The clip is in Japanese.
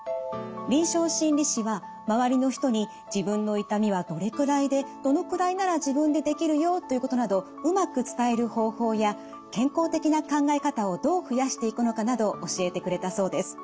臨床心理士は周りの人に自分の痛みはどれくらいでどのくらいなら自分でできるよということなどうまく伝える方法や健康的な考え方をどう増やしていくのかなど教えてくれたそうです。